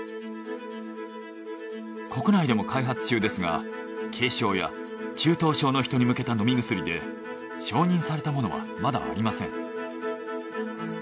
国内でも開発中ですが軽症や中等症の人に向けた飲み薬で承認されたものはまだありません。